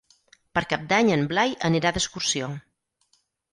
Per Cap d'Any en Blai anirà d'excursió.